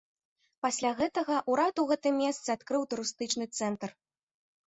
Пасля гэтага ўрад у гэтым месцы адкрыў турыстычны цэнтр.